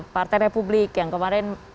partai republik yang kemarin